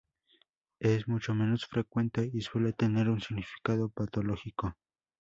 Es mucho menos frecuente y suele tener un significado patológico.